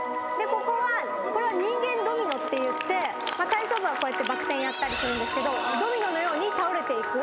ここはこれは人間ドミノっていって体操部はこうやってバク転やったりするんですけどドミノのように倒れていく。